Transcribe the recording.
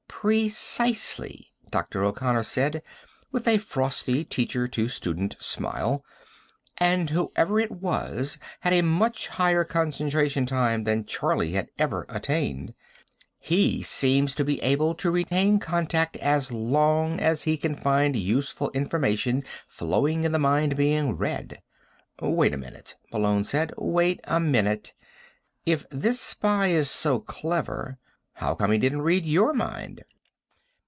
"Precisely," Dr. O'Connor said with a frosty, teacher to student smile. "And whoever it was had a much higher concentration time than Charlie had ever attained. He seems to be able to retain contact as long as he can find useful information flowing in the mind being read." "Wait a minute," Malone said. "Wait a minute. If this spy is so clever, how come he didn't read your mind?"